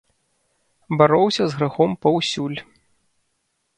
Бароўся з грахом паўсюль.